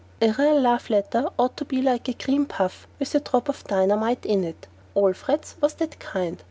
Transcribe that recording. A real love letter ought to be like a cream puff with a drop of dynamite in it. Alfred's was that kind.